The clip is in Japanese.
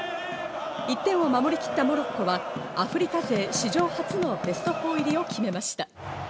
１点を守りきったモロッコはアフリカ勢史上初のベスト４入りを決めました。